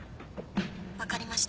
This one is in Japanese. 分かりました。